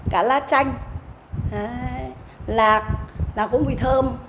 cả lá chanh lạc là có mùi thơm